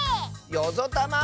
よぞたま！